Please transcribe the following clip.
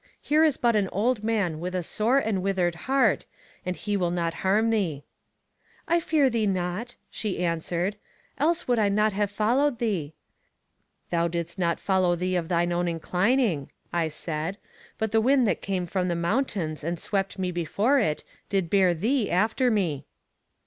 Here is but an old man with a sore and withered heart, and he will not harm thee. I fear thee not, she answered, else would I not have followed thee. Thou didst not follow me of thine own inclining, I said, but the wind that came from the mountains and swept me before it, did bear thee after me.